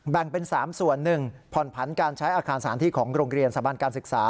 แบ่งเป็น๓ส่วน๑ผ่อนผันการใช้อาคารสถานที่ของโรงเรียนสถาบันการศึกษา